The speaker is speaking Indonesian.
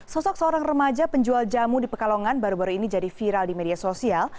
sosok seorang remaja penjual jamu di pekalongan baru baru ini jadi viral di media sosial